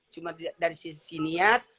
cuma dari sisi niat